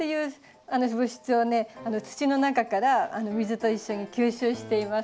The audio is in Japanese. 土の中から水と一緒に吸収しています。